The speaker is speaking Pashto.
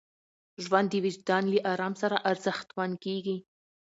ژوند د وجدان له ارام سره ارزښتمن کېږي.